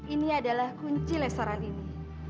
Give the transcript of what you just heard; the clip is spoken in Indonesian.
ini adalah kunci restoran ini